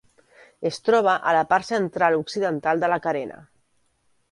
Es troba a la part central-occidental de la carena.